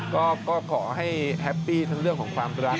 ก็ขอให้แฮปปี้ทั้งเรื่องของความรัก